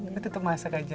kita tetap masak saja